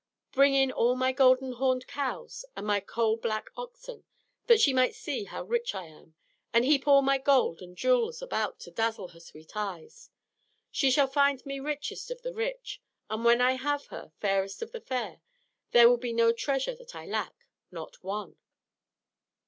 Bring in all my golden horned cows and my coal black oxen, that she may see how rich I am, and heap all my gold and jewels about to dazzle her sweet eyes! She shall find me richest of the rich; and when I have her fairest of the fair there will be no treasure that I lack not one!"